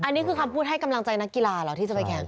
อันนี้คือคำพูดให้กำลังใจนักกีฬาเหรอที่จะไปแข่ง